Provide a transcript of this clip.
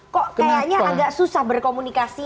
kok kayaknya agak susah berkomunikasi